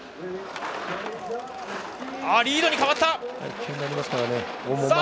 リードに変わった。